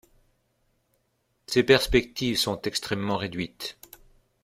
Ses perspectives sont extrêmement réduites.